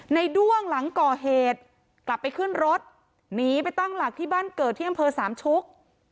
ด้วงหลังก่อเหตุกลับไปขึ้นรถหนีไปตั้งหลักที่บ้านเกิดที่อำเภอสามชุก